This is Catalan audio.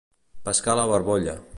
Pescar a la barbolla.